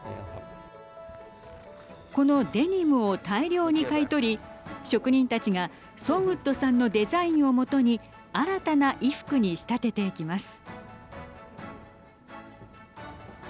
このデニムを大量に買い取り職人たちがソンウットさんのデザインを基に新たな衣服に仕立てていきます。